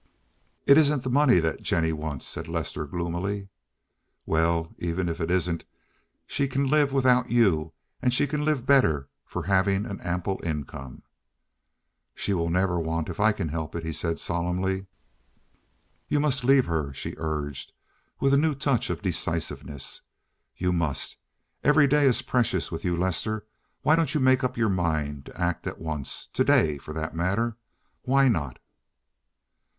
"It isn't the money that Jennie wants," said Lester, gloomily. "Well, even if it isn't, she can live without you and she can live better for having an ample income." "She will never want if I can help it," he said solemnly. "You must leave her," she urged, with a new touch of decisiveness. "You must. Every day is precious with you, Lester! Why don't you make up your mind to act at once—to day, for that matter? Why not?"